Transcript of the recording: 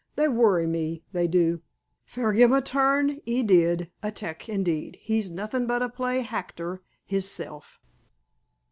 They worry me, they do. Fair gemme a turn, 'e did. A tec', indeed! He's nothin' but a play hactor hisself!"